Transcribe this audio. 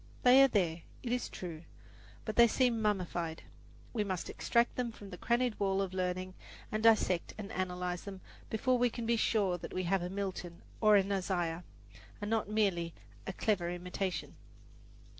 They are there, it is true; but they seem mummified. We must extract them from the crannied wall of learning and dissect and analyze them before we can be sure that we have a Milton or an Isaiah, and not merely a clever imitation.